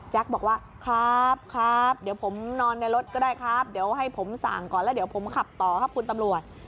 บอกว่าครับครับเดี๋ยวผมนอนในรถก็ได้ครับเดี๋ยวให้ผมสั่งก่อนแล้วเดี๋ยวผมขับต่อครับคุณตำรวจ